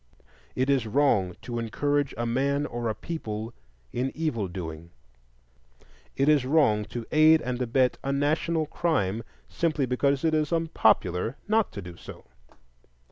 It is wrong to encourage a man or a people in evil doing; it is wrong to aid and abet a national crime simply because it is unpopular not to do so.